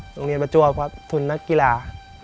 โรงเรียนประจวบครับทุนนักกีฬา